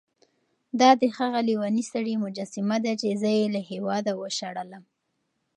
دا د هغه لېوني سړي مجسمه ده چې زه یې له هېواده وشړلم.